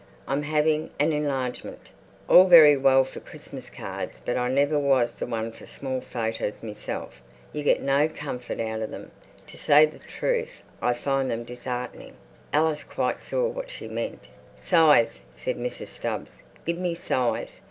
I'm having an enlargemint. All very well for Christmas cards, but I never was the one for small photers myself. You get no comfort out of them. To say the truth, I find them dis'eartening." Alice quite saw what she meant. "Size," said Mrs. Stubbs. "Give me size.